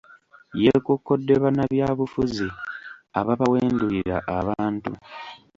Yeekokkodde bannabyabufuzi ababawendulira abantu.